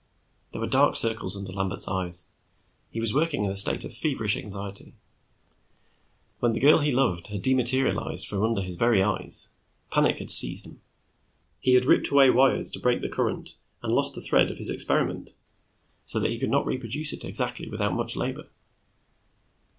There were dark circles under Lambert's eyes. He was working in a state of feverish anxiety. When the girl he loved had dematerialized from under his very eyes, panic had seized him; he had ripped away wires to break the current and lost the thread of his experiment, so that he could not reproduce it exactly without much labor.